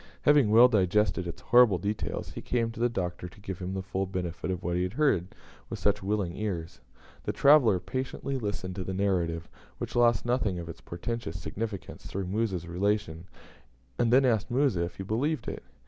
Having well digested its horrible details, he came to the Doctor to give him the full benefit of what he had heard with such willing ears. The traveller patiently listened to the narrative, which lost nothing of its portentous significance through Musa's relation, and then asked Musa if he believed it.